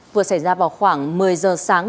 vừa xảy ra vào khoảng một mươi h sáng